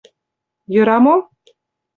Йӧра мо?..